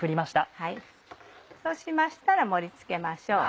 そうしましたら盛り付けましょう。